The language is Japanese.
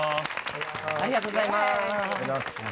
ありがとうございます。